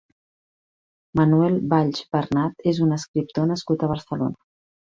Manuel Valls Bernat és un escriptor nascut a Barcelona.